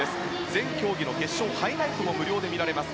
全競技の決勝ハイライトも無料で見られます。